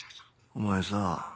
お前さぁ。